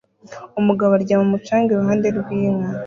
Umugabo aryama mu mucanga iruhande rw'inka